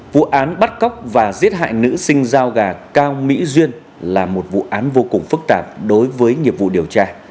vụ án bắt cóc và giết hại nữ sinh giao gà cao mỹ duyên là một vụ án vô cùng phức tạp đối với nghiệp vụ điều tra